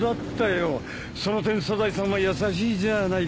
その点サザエさんは優しいじゃないか。